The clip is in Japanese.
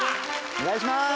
お願いします。